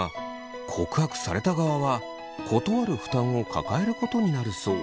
告白された側は断る負担を抱えることになるそう。